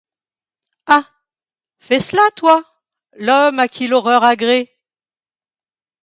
Ah ! fais cela, toi, l’homme à qui l’horreur agrée